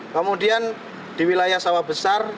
kemudian di wilayah sawah besar